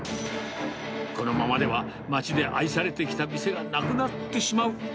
このままでは、町で愛されてきた店がなくなってしまう。